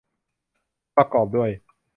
ประกอบด้วย